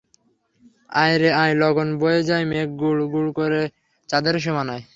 আয় রে আয় লগন বয়ে যায় মেঘ গুড় গুড় করে চাঁদের সীমানায়!